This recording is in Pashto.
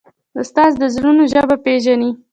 استاد د زړونو ژبه پېژني.